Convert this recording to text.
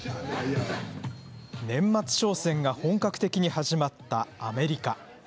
年末商戦が本格的に始まったアメリカ。